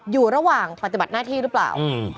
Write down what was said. อยู่ระหว่างปฏิบัติหน้าที่หรือเปล่า